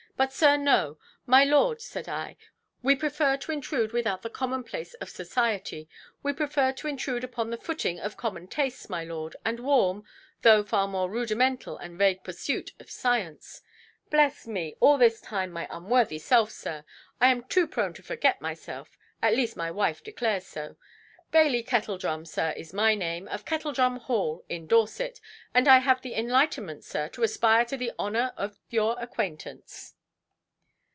But, sir, no. 'My lord', said I, 'we prefer to intrude without the commonplace of society; we prefer to intrude upon the footing of common tastes, my lord, and warm, though far more rudimental and vague pursuit of science'. Bless me, all this time my unworthy self, sir! I am too prone to forget myself, at least my wife declares so. Bailey Kettledrum, sir, is my name, of Kettledrum Hall, in Dorset. And I have the enlightenment, sir, to aspire to the honour of your acquaintance".